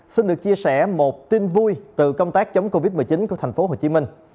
xin được chia sẻ một tin vui từ công tác chống covid một mươi chín của thành phố hồ chí minh